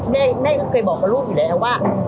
แม่ก็เคยบอกกับลูกอยู่แล้วว่า